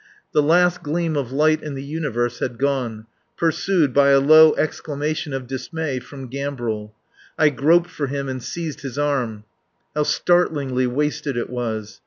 The last gleam of light in the universe had gone, pursued by a low exclamation of dismay from Gambril. I groped for him and seized his arm. How startlingly wasted it was.